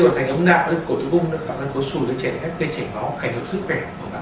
là thành ấm đạo lên cổ tử cung nó tạo ra có xùi ở trẻ em gây chảy máu ảnh hưởng sức khỏe của bạn